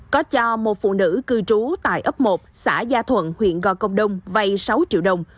có cho một phụ nữ cư trú tại ấp một xã gia thuận huyện gò công đông vay sáu triệu đồng